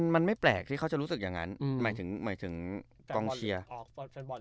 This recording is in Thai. มันไม่แปลกเขาจะรู้สึกอย่างนั้นหมายถึงกรองเชียร์